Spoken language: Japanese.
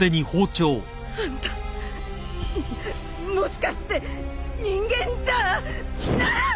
あんたもしかして人間じゃあなっ！？